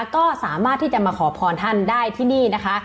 ก็สามารถที่จะมาขอพรท่านได้ที่นี่นะคะ